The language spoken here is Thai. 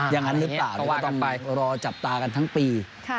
อย่างนั้นหรือเปล่าเพราะว่าต้องไปรอจับตากันทั้งปี